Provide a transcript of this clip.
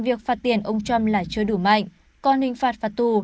việc phát tiền ông trump là chưa đủ mạnh còn hình phạt phát tù